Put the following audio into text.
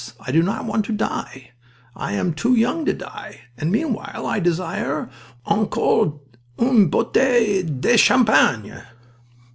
I do not want to die. I am too young to die, and meanwhile I desire encore une bouteille de champagne!"